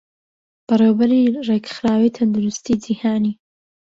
بەڕێوەبەری ڕێکخراوەی تەندروستیی جیهانی